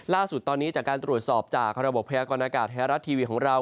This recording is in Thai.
ล่าสุดตอนนี้จากการตรวจสอบจากระบบพยากรณากาศไทยรัฐทีวีของเรา